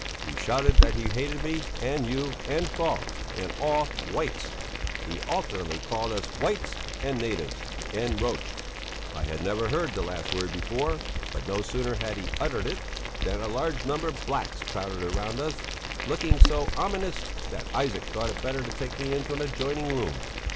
He shouted that he hated me, and you, and Falk, and all "Whites"; he alternately called us "whites," and "natives," and roche; I had never heard the last word before, but no sooner had he uttered it than a large number of "blacks" crowded round us, looking so ominous that Isaac thought it better to take me into an adjoining room.